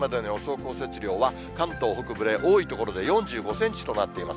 降雪量は、関東北部で多い所で４５センチとなっています。